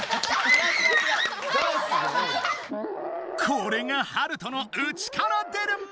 これがハルトの内から出るもの！